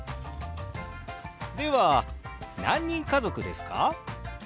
では何人家族ですか？